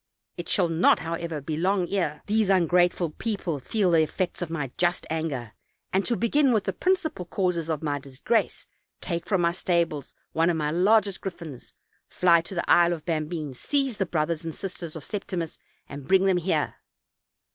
It shall not, however, be long ere these ungrateful people feel the effects of my just anger; and, to begin with the principal causes of my disgrace, take from my stables one of my largest griffins, fly to the Isle of Bambine, seize the brothers and sisters of Septimus, and bring them here.